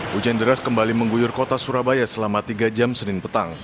hujan deras kembali mengguyur kota surabaya selama tiga jam senin petang